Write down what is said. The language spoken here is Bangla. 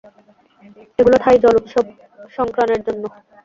এগুলো থাই জল উৎসব সংক্রানের জন্য।